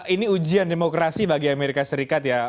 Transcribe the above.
ini ujian demokrasi bagi amerika serikat ya